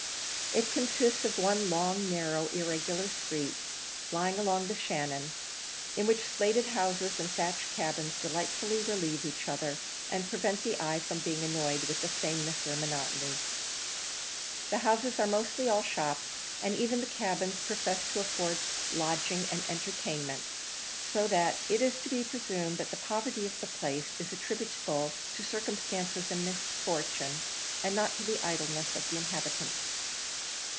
It consists of one long narrow, irregular street, lying along the Shannon, in which slated houses and thatched cabins delightfully relieve each other, and prevent the eye from being annoyed with sameness or monotony. The houses are mostly all shops, and even the cabins profess to afford "lodging and entherthainment;" so that it is to be presumed that the poverty of the place is attributable to circumstances and misfortune, and not to the idleness of the inhabitants.